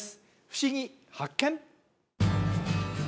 ふしぎ発見！